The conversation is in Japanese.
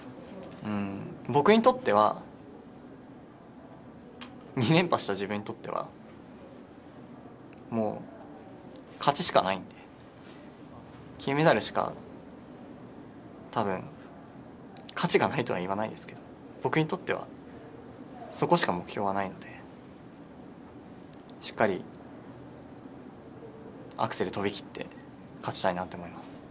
僕にとっては２連覇した自分にとってはもう、勝ちしかないんで金メダルしかたぶん、価値がないとは言わないですけど僕にとってはそこしか目標はないのでしっかりアクセル跳びきって勝ちたいなって思います。